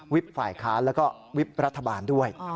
วิปฝ่ายค้าและก็วิปรัฐบาลด้วย